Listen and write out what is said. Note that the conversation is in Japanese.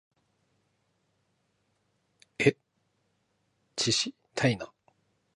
えっちしたいな